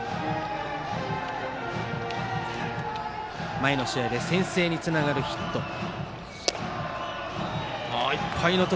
前の試合で先制につながるヒットを放っています。